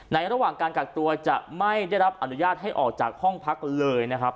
ระหว่างการกักตัวจะไม่ได้รับอนุญาตให้ออกจากห้องพักเลยนะครับ